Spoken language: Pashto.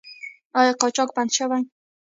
آیا قاچاق بند شوی؟